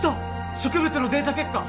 植物のデータ結果